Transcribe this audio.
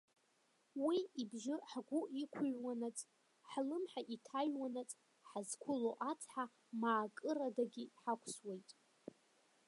Уи ибжьы ҳгәы иқәыҩуанаҵ, ҳлымҳа иҭаҩуанаҵ, ҳазқәыло ацҳа маакырадагьы ҳақәсуеит!